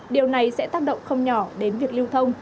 điều này sẽ tác động không nhỏ đến việc lưu thông